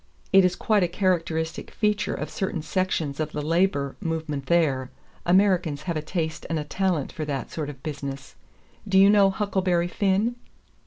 It is quite a characteristic feature of certain sections of the labor movement there. Americans have a taste and a talent for that sort of business. Do you know 'Huckleberry Finn?'"